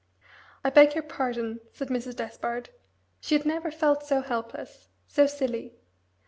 "I beg your pardon," said Mrs. Despard. She had never felt so helpless so silly.